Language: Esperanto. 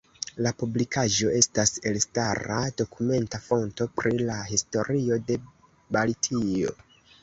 La publikaĵo estas elstara dokumenta fonto pri la historio de Baltio.